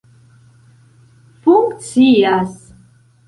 funkcias